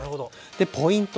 ポイント